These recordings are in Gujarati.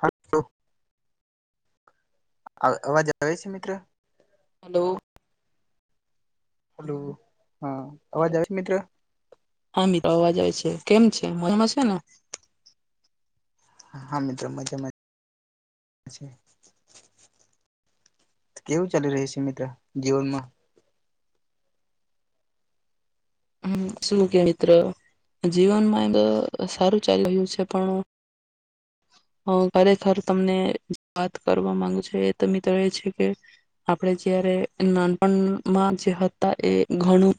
હા તો અવાજ આવે છે મિત્ર. હલો. હલો. હા અવાજ હલો આવે છે મિત્ર હા મીત્ર અવાજ આવે છે કેમ છે મજમાં છે ને. હા મિત્રો મજામાં કેવું ચાલી રહ્યું છે મિત્ર જીવનમાં. હમ શું કે મિત્ર જીવનમાં એ સારું ચાલી રહ્યું છે પણ હ ખરેખર તમને વાત કરવા માંગુ છ એ તો મિત્ર એ છે કે આપણે જારે નાનપણમાં જે હતા એ ઘણું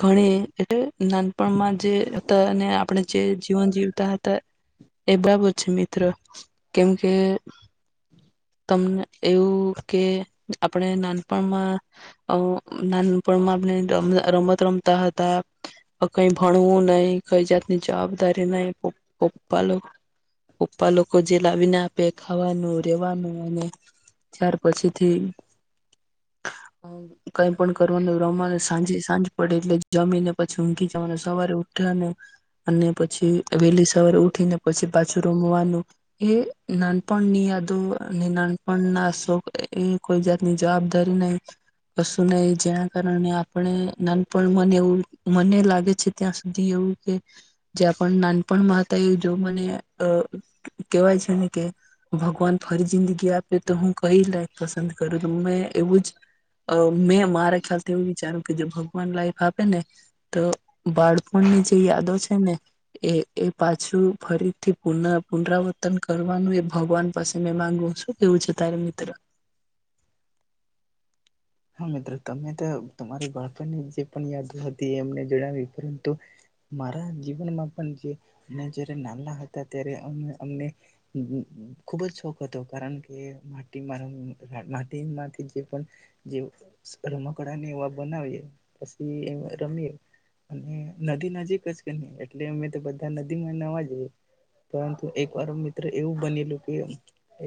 ઘણી એટલે નાનપણમાં જે હતા અને આપણે જે જીવન જીવતા હતા એ બરાબર છે મિત્ર કેમકે તમને એવું કે આપણે નાનપણમાં અ નાનપણમાં આપણે રમત રમતા હતા. હ કઈ. ભણવું નહી કઈ જાતની જવાબદારી નહી. પ પપ્પા પપ્પા લોકો જે લાવીને આપે ખાવાનું રેવાનું અને ત્યાર પછીથી કઈ પણ કરવાનું રવાનું સાંજે સાંજ પડે એટલે. જમીને પછી ઊંઘી જવાનું, સવારે ઉઠવાનું અને અને પછી વહેલી સ વારે ઉઠી ને પછી પાછું રમવાનું, એ નાનપણની યાદો અને નાનપણ ના [unintelligible] એ કોઈ જાતની જવાબદારી નહી, કશું નહી જેના કારણે આપણે નાનપણ મને એવું લાગે છે ત્યાં સુધી એવું કે જ્યા પણ નાનપણ માતા એ જો મને અહ કેહેવાય છે ને કે ભગવાન ફરી જિંદગી આપે તો હું કઈ લાઈફ પસંદ કરું, તો મેં એવું જ મેં મારા ખ્યાલથી એવું વિચાર્યું કે [unintelligible] લાઈફ આપે ને તો બાળપણની જે યાદો છે ને એ-એ પાછું ફરીથી પુન પુનરાવર્તન કરવાનું એ ભગવાન પાસે મે માંગુ છું. કેવું છે તારે મિત્ર? હા મિત્ર. તમે તો તમારી બાળપણની જે પણ યાદો હતી એ અમને જણાવી, પરંતુ મારા જીવનમાં પણ જે અમે જ્યારે નાના હતા ત્યારે અમને-અમને અમ્મ ખુબ જ શોખ હતો, કારણ કે માટી રમ માટીમાંથી જે પન જેવ સ રમકડાને એવા બનાવીએ, પછી એ રમીએ, અને નદી નજીક જ [unintelligible] એટલે અમે તો બધા નદી માં નહાવા જઈએ, પરંતુ એક વાર મિત્ર એવું બનેલું કે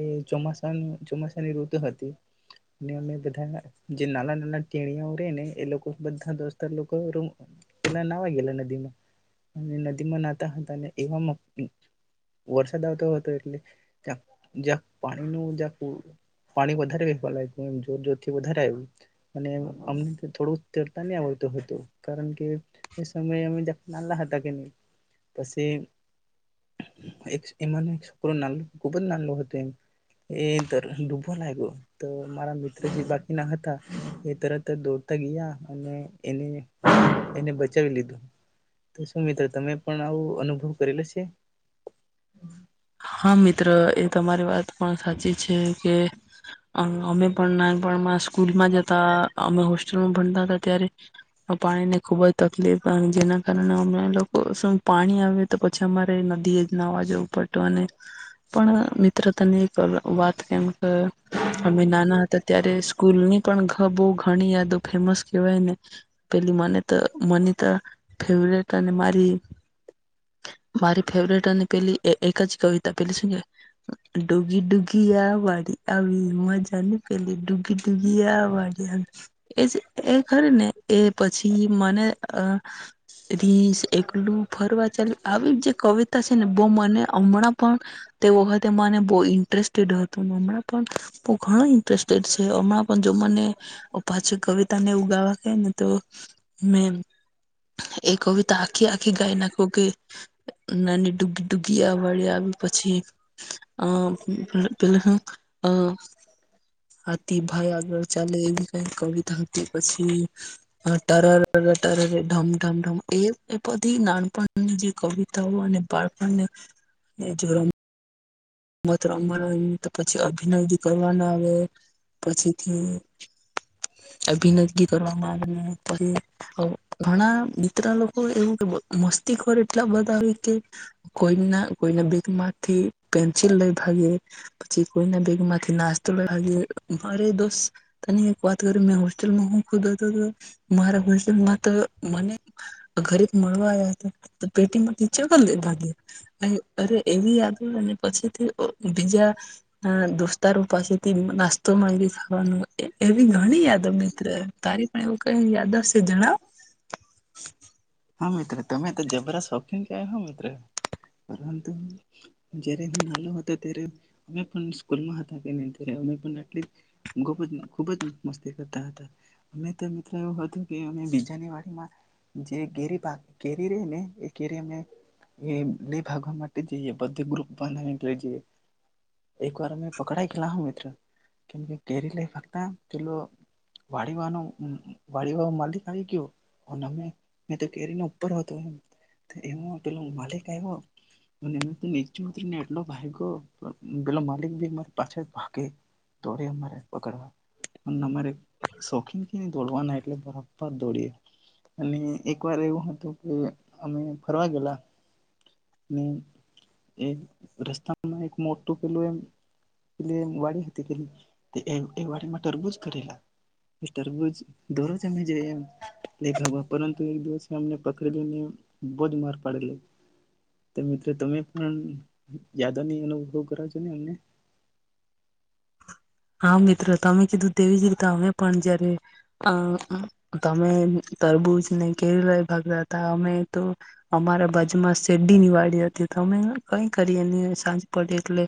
એ ચોમાસાનું ચોમાસાની ઋતુ હતી, અને અમે બધા જે નાના-નાના ટેણીયાઓ રે ને, એ લોકો બધા દોસ્તાર લોકો રૂમ પેલા નહાવા ગયેલા નદીમાં, અને નદીમાં નાહતા હતા ન એવામાં વરસાદ આવતો હતો એટલે ત્યા જ્યાં પાણીનું જ્યાં કૂ પાણી વધારે [unintelligible] જોર-જોરથી વધાર [unintelligible] અને અમને કે થોડુંક તરતા નહી આવડતું હતું, કારણ કે એ સમયે અમે જ નાના હતા કે નહી, પછી એકસ એમાંનો એક છોકરો નાનો, ખુબ જ નાનો હતો એમ, એ [unintelligible] ડૂબવાં લાયગો તો મારા મિત્ર [unintelligible] ના હતા એ તરત જ દોડતા ગયા અને એને-એને બચાવી લીધું. તો શું મિત્ર તમે પણ આવું અનુભવ કરેલો સે? હા મિત્ર એ તમારી વાત પણ સાચી છે, કે અમ અમે પણ નાનપણમાં સ્કૂલમાં જતા, અમે હોસ્ટેલમાં ભણતા હતા ત્યારે પાણીની ખુબ જ તકલીફ અને જેના કારણે અમે લોકો શું પાણી આવે તો પછી અમારે નદીએ જ નહાવા જવું પડ તું અને પણ મિત્ર તને એક અહ વાત કેવ અ અમે નાના હતા ત્યારે સ્ સ્કૂલની પણ ઘ બહુ ઘણી યાદો ફેમસ કહેવાયને પેલી મને તો મને તો ફેવરેટ અને મારી મારી ફેવરેટ અને પેલી એ એક જ કવિતા પેલી શું કેવાય ડૂગી ડૂગીયા વાળી આવી મજાની પેલી ડૂગી ડૂગીયાવાળી એ પછી મને અ રીંછ એકલું ફરવા ચાલ્યુ આવી જે કવિતા છે ને બહ મને હમણાં પણ તે વખતે મને બહુ ઇન્ટરેસ્ટેડ હતું ને હમણાં પણ બહુ ઘણો ઇન્ટરેસ્ટેડ છે હમણાં પણ જો મને પાછી કવિતા ને એવું ગાવા કેય ને તો મેં એ કવિતા આખી આખી ગાઈ નાખું કે નાની ડુગ ડુગિ યાવાળી આવી પછી અ પેલું ઉમ અ હાથી ભાઈ આગળ ચાલે એવી કઈ કવિતા હતી પછી ટરરર ટરરર ઢમઢમઢમ એ એ બધી નાનપણની જે કવિતાઓ અને બાળપણને એજ [unintelligible] રમત રમવાનો ઈ તો પછી અભિનય બી કરવાના આવે પછીથી અભિનય બી કરવામાં આવે પછી ઘણા મિત્ર લોકો એવું કે મસ્તીખોર એટલા બ કરતાં હોય કે કોઈના કોઈના બેગમાંથી પેન છી લઈ ભાગે પછી કોઈના બેગમાંથી નાસ્તો લઈ ભાગે મારે દોસ્ત તને એક વાત કરી મેં હોસ્ટલમાં હોઉં ખુદ [unintelligible] મારા [unintelligible] માં તો મને ઘરે મળવા આયા હતા તો પેટીમાંથી [unintelligible] અરે એવી યાદો પછીથી અ બીજા દોસ્તારો પાસેથી નાસ્તોમાં એ થવાનું એવી ઘણી યાદો મિત્ર તારી પણ એવું કઈ તો જણાવ હા તમે જબરા શોખીન કહેવાય મિત્ર પરંતુ જયારે હું નાહલો હતો ત્યારે અમે પણ સ્કૂલમાં હતા કે અઆટલી ખુબ જ મસ્તી કરતા હતા અમે મિત્રો એવું હતું કે અ બીજાની વાડીમાં જે કેરી પાક કેરી રેયને એ કેરી અમે લઈ ભાગવા માટે જઈએ બધા ગ્રુપ બનાવીને લઈ જઈએ એક વાર અમે પકડાય ગયેલા હ મિત્ર કેમકે કેરી લઈ ભાગતા પેલો વાડી વાનો વાડી માલિક આવી ગયો અને અમે મે તો કેરીના ઉપર હતો એ એ પેલો માલિક આવ્યો અને નીચે ઉતરીને એટલો ભાયગો પેલો માલિક ભી અમાર પાછળ ભાગે તો અમારે પકડવા અન અમારે શોખીન એ દોડવા ન એટલે બરા ત દોડીય અને એક વાર એવું હતું કે અમે ફરવા ગેલા ને રસ્તામાં એ એક મોટું પેલું એમ વાડી હતી કેની તે વાડીમાં તરબૂજ કરેલા તરબૂજ દરરોજ અમે જોઈએ એમ [unintelligible] તો એક દિવસ અમને પકડી લઈને બો જ માર પાડેલો તો મિત્રો તમે પણ યાદાની અનુભવ કરાવજોની અમને. હા મિત્ર, તમે કીધું તેવી જ રીતે અમે પણ જયારે અ તમે તરબૂચને કેવી લઈ ભાગતા તા અમે તો અમારા બા જુમાં શેરડી ની વાળી હતી તો અમે કઈ કરીએ ની અને સાંજ પડે એટલે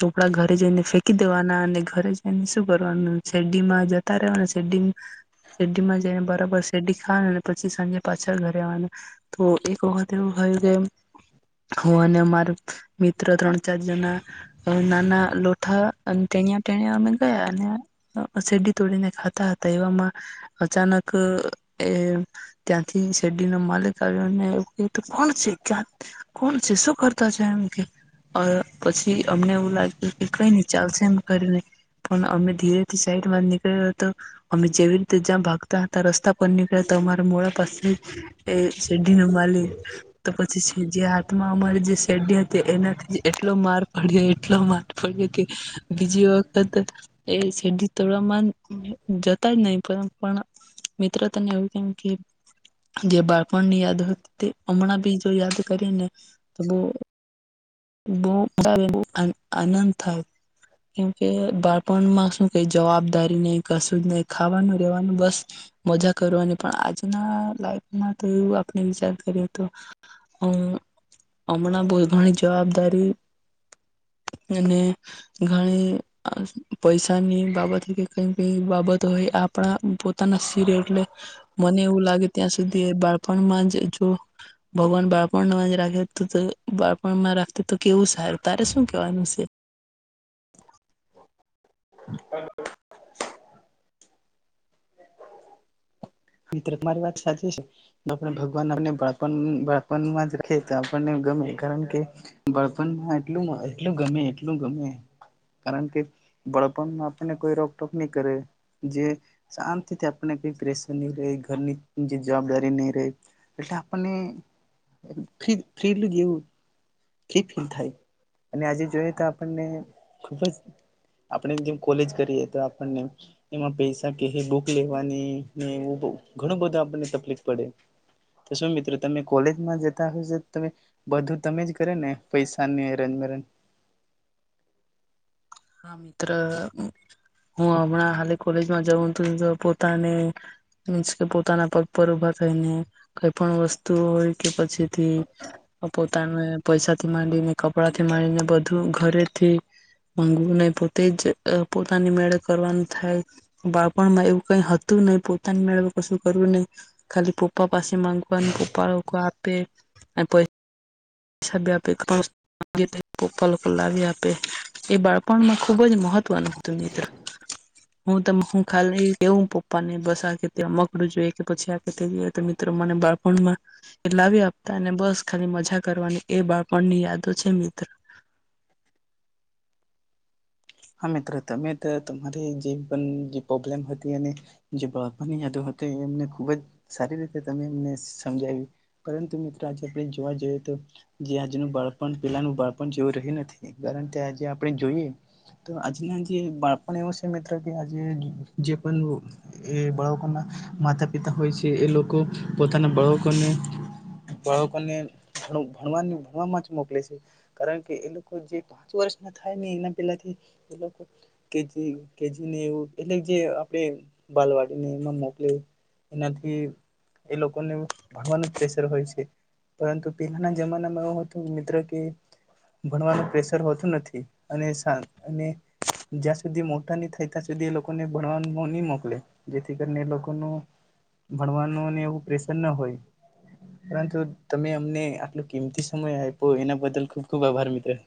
ચોપડા ઘરે જઈને ફેંકી દેવાના અને ઘરે જઈને શું કરવાનું શેરડીમાં જતા રહેવા શેરડી શેરડીમાં જઈને બરાબર શેરડી ખાવાનું પછી સાંજે પાછા ઘરે આવવાનું તો એક વખત એવું થયું કે હું અને મારુ મિત્ર ત્રણ ચાર જણા નાના લોઠા અન ટેનીંયા તેને અમે ગયા અને શેરડી તોડીને ખાતા હતા એવામાં અચાનક એ ત્યાંથી શેરડીનો માલિક આવ્યો ને એવું કેય તું કોણ છે, ક્યાં કોણ છે? શું કરતા છે? એમ કેય પછી અમને એવું લાગ્યું કે કઈ ની ચાલશે એમ કરીને પણ અમે ધીરેથી સાઈડ નીકળ્યો તો અમે જેવી રીતે જ્યાં ભાગતા હતા રસ્તા પર નીકળ્યા તો અમારા મોડા પાસે એ શેરડીને માલ તો પછી જે હાથમાં અમારી જે શેરડી હતી એનાથી એટલો માર પડ્યો એટલો માર પડ્યો કે બીજી વખત એ શેરડી તોડવામાં જતા જ નહીં પણ મિત્ર તને એવું કેમ કે જે બાળપણની યાદ હતી તે હમણાં બી જો યાદ કરી ને તો બહુ બો બ આનંદ થાય. કેમ કે બાળપણમાં શું કઈ જવાબદારી નહીં કશું જ નહીં ખાવાનું, રેવાનું, બસ મજા કરવાની પણ આજના લાઈફમાં તો એવું આપણે વિચાર કર્યો હતો હમણાં બો ઘણી જવાબદારી અને ઘણી અ પૈસાની બાબત કે કઈ કઈ બાબત હોય આપણા પોતાના શિરે એટલે મને એવું લાગે ત્યાં સુધી બાળપણમાં જ જો ભગવાન બાળપણમાં જ રાખે તો બાળપણમાં રાખે તો કેવું સારું તારે શું કેવાનું શે? મ્ર મારી વાત સાચી છે આપ ભગવાન આપને બાળપણળપણમાં જ આપણને ગમે કારણ કે બળપણમાં એટ એટલું ગમે એટલું ગમે કારણ કે બળપણમાં આપણને કોઈ રોકટોક નહી કરે જે શાંતિથી આપને કઈ પ્રેશ ઘરની જે જવાબદારી નહી રહે એટલે આપણને ફ્રીવું ફી ફીલ થાય અને આજે જોઈ તો આપણને ખુબ જ આપણે જેમ કોલેજ કરીએ તો આપણને એમાં પૈસા ક બુક લેવાની ને એવું ઘણું બધું આપણને તકલીફ પડે તો શું મિત્રો તમે કોલેજમાં જતા હશે ત બધું તમે જ કરે ને પૈસાની એરજમેરજ હા મિત્ર હું હમણાં હા કોલેજમાં જઉું પોતાને મંસ કે પોતાના પગ પર ઉભા થઈને કઈ પણ વસ્તુ હોય કે પછી થી પોતાને પૈસા થી માંડીને કપડા થી માંડીને બધું ઘરેથી માંગવું નહી પોતે જ પોતાની મેળે કરવાનું થાય બાળપણ માં એવું કઈ હતું નહી પોતાની મેળે કશું કરવું નહી ખાલી પપ્પા પાસે માંગવાનું પપ્પા લોકો આપે અને પહિ [inaudible] પપ્પા લોકો લાવી આપે એ બાળપણમાં ખુબ જ મહત્વનું હતું મિત્ર હું ત હું ખાલી પપ્પા ને બસ આ કે મકડું જોઈએ કે પછી આ જો તો મિત્રો મને બાળપણમાં એ લાવી આપતા અને બસ ખાલી મજા કરવાની એ બાળપણની યાદો છે મિત્ર હા મિત્રો તમે તમારી જે પણ જે પ્રોબ્લેમ હતી અને જે બાળપણની યાદો હતી એમને ખુબ જ સારી રીતે ત એમને સમજાવી પરંતુ મિત્રો આજે આપણે જોવા જઈએ તો જે આજનું બાળપણ પેલાનું બાળપણ જેવું રહ્યું નથી કારણ કે આજે આપણે જોઈએ જે બા એવું છે મિત્ર કે આજે જે પણ એ બાળકોના માતા પિતા હોય છે એ લોકો પોતાના બાળકોને બાળકોને ભણવા ભણવામાં જ મોકલે છે કારણ કે એ લોકો જે પાંચ વર્ષ ના થાય ને એના પેલાથી કેજીને એવું એટલે જે આપણે બાલવાડીને એમાં મોકલે એનાથી એ લોકોને ભણવાનું જ પ્રેશર હોય છે પરંતુ પહેલાના જમાનામાં એવું હતું મિત્ર કે ભણવાનું પ્રેશર હોતું નથી અને સ અને જ્યાં સુધી મોટા નહી થાય ત્યાં સુધી એ લોકોને ભણવા નહી મોકલે જેથી કરીને એ લોકોનું ભણવાનુંને એવું પ્રેશર ના હોય પરંતુ તમે અમને આટલો કિંમતી સમય આપ્યો એના બદલ ખૂબ ખૂબ આભાર મિત્ર.